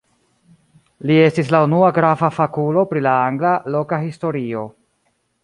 Li estis la unua grava fakulo pri la angla loka historio.